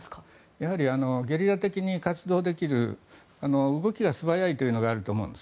やはりゲリラ的に活動できる動きが素早いというのがあると思います。